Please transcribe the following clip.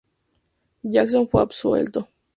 Jackson fue absuelto.